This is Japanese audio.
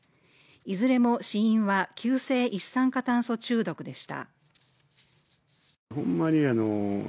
いずれも死因は急性一酸化炭素中毒でした。